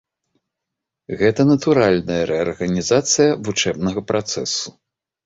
Гэта натуральная рэарганізацыя вучэбнага працэсу.